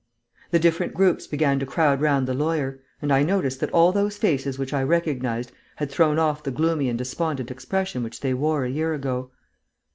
The different groups began to crowd round the lawyer; and I noticed that all those faces which I recognized had thrown off the gloomy and despondent expression which they wore a year ago.